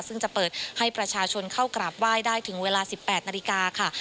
ซึ่งจะเปิดให้ประชาชนเข้ากราบไหว้ได้ถึงเวลา๑๘นาฬิกาค่ะ